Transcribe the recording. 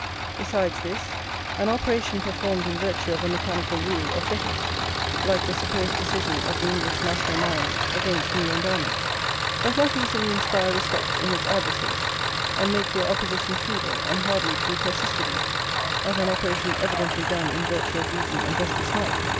Besides this, an operation performed in virtue of a mechanical rule, or fetish, like the supposed decision of the English national mind against new endowments, does not easily inspire respect in its adversaries, and make their opposition feeble and hardly to be persisted in, as an operation evidently done in virtue of reason and justice might.